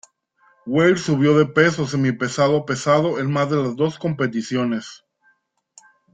Weir subió de peso semipesado a pesado en más de las dos competiciones.